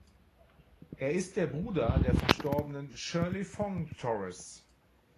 Er ist der Bruder der verstorbenen Shirley Fong-Torres.